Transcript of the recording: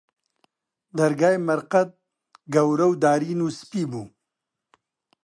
دەرگای مەرقەد، گەورە و دارین و سپی بوو